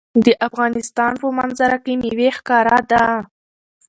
د افغانستان په منظره کې مېوې ښکاره ده.